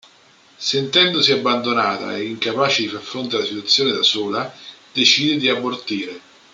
Sentendosi abbandonata e incapace di far fronte alla situazione da sola, decide di abortire.